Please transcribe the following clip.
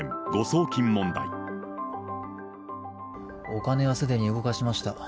お金はすでに動かしました。